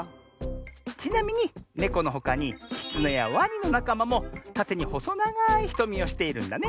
ちなみにネコのほかにキツネやワニのなかまもたてにほそながいひとみをしているんだね。